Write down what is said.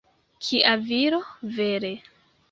Kia viro, vere!